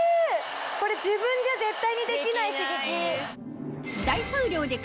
これ自分じゃ絶対にできない刺激。